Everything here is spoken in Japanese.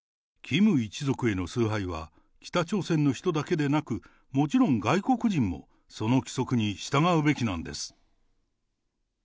キム一族への崇拝は、北朝鮮の人だけでなく、もちろん外国人もその規則に従うべきなんです。